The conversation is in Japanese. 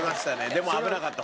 でも危なかった。